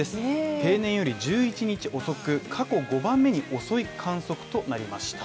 平年より１１日遅く、過去５番目に遅い観測となりました。